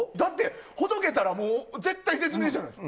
ほどけたら絶体絶命じゃないですか。